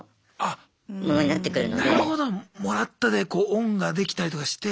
もらったでこう恩ができたりとかして。